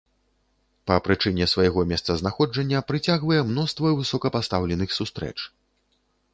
Па прычыне свайго месцазнаходжання прыцягвае мноства высокапастаўленых сустрэч.